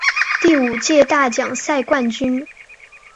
第五届大奖赛冠军。